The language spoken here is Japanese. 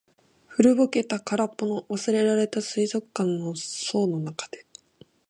古ぼけた、空っぽの、忘れられた水族館の槽の中で。